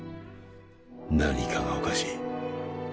何かがおかしい